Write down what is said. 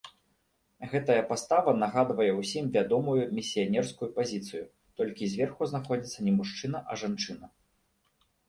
Гэтая пастава нагадвае ўсім вядомую місіянерскую пазіцыю, толькі зверху знаходзіцца не мужчына, а жанчына.